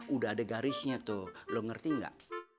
udah ada garisnya tuh lo ngerti gak